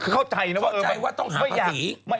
เข้าใจว่าต้องหาภาษี